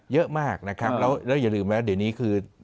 เยอะมากนะครับแล้วอย่าลืมนะเดี๋ยวนี้คือ